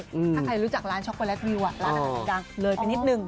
ถ้าใครรู้จักร้านช็อกโกแลตวิวร้านอาหารดังเลยไปนิดนึง